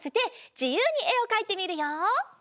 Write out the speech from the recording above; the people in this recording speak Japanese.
じゆうにえをかいてみるよ！